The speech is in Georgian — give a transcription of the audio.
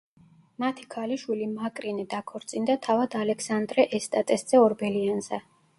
მათი ქალიშვილი მაკრინე დაქორწინდა თავად ალექსანდრე ესტატეს ძე ორბელიანზე.